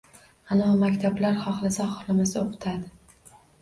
Anovi maktablar xohlasa-xohlamasa o‘qitadi.